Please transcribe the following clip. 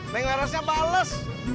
neng larasnya bales